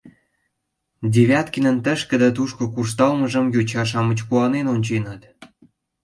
Девяткинын тышке да тушко куржталмыжым йоча-шамыч куанен онченыт.